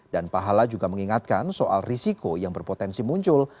dan pahala juga mengingatkan soal risiko yang berpotensi muncul